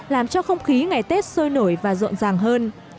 làm cho không khí ngày tết sôi nổi và rộn ràng hơn